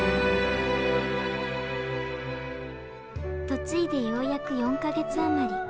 嫁いでようやく４か月余り。